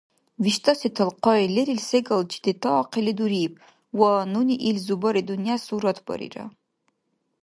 ВиштӀаси талхъай лерил секӀал чедетаахъили дуриб, ва нуни ил зубари-дунъя суратбарира.